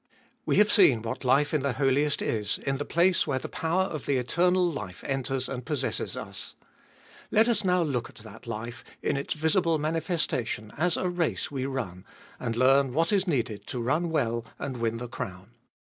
We have seen what life in the Holiest is, in the place where the power of the eternal life enters and possesses us. Let 478 Gbe Dolfest of ail us now look at that life in its visible manifestation as a race we run, and learn what is needed to run well and win the crown.